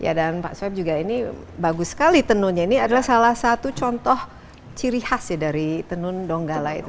ya dan pak swab juga ini bagus sekali tenunnya ini adalah salah satu contoh ciri khas ya dari tenun donggala itu